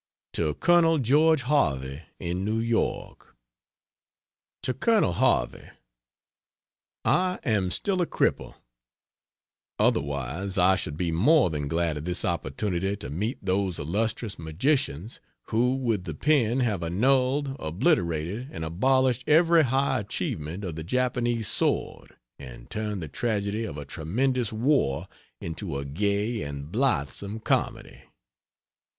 To Col. George Harvey, in New York: TO COLONEL HARVEY, I am still a cripple, otherwise I should be more than glad of this opportunity to meet those illustrious magicians who with the pen have annulled, obliterated, and abolished every high achievement of the Japanese sword and turned the tragedy of a tremendous war into a gay and blithesome comedy.